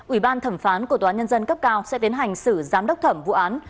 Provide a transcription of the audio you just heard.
ủy ban thẩm phán của tòa nhân dân cấp cao sẽ tiến hành xử giám đốc thẩm vụ án